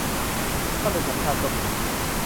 ถ้าเป็นสัมภาษณ์ก็มี